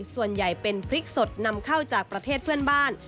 ส่วนใหญ่เป็นพริกสดนำเข้าจากประเทศเพื่อนบ้าน